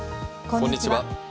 こんにちは。